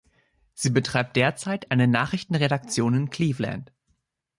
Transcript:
Sie betreibt derzeit eine Nachrichtenredaktion in Cleveland.